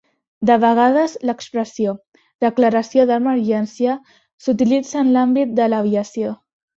De vegades, l'expressió "declaració d'emergència" s'utilitza en l'àmbit de l'aviació.